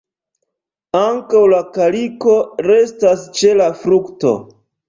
Ankaŭ la kaliko restas ĉe la frukto.